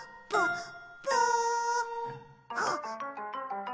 あっ！